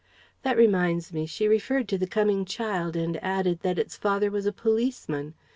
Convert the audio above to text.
That reminds me, she referred to the coming child and added that its father was a policeman.